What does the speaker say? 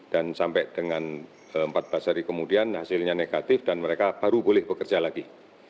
dan sampai dengan empat belas hari kemudian hasilnya negatif dan mereka baru boleh bekerja lagi